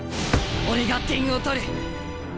俺が点を取る！